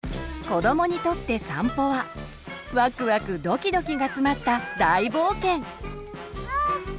子どもにとって散歩はワクワク・ドキドキが詰まった大冒険。